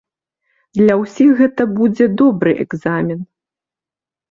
Для ўсіх гэта будзе добры экзамен.